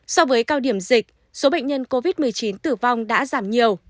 so với cao điểm dịch số bệnh nhân covid một mươi chín tử vong đã giảm nhiều